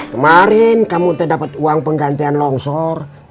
kemarin kamu dapat uang penggantian longsor